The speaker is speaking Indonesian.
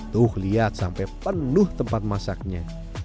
tuh lihat sampai penuh tempat masaknya